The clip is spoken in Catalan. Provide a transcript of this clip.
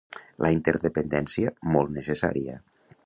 La interdependència molt necessària.